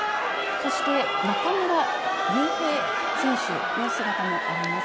そして、中村悠平選手の姿もあります。